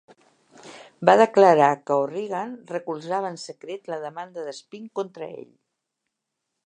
Va declarar que O'Regan recolzava en secret la demanda de Spink contra ell.